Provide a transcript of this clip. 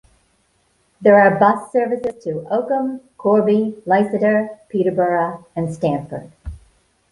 There are bus services to Oakham, Corby, Leicester, Peterborough and Stamford.